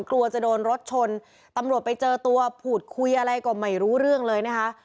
กลัวจะโดนรถชนตำรวจไปเจอตัวพูดคุยอะไรก็ไม่รู้เรื่องเลยนะคะ